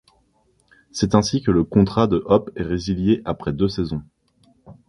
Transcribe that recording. C'est ainsi que le contrat de Hope est résilié après deux saisons.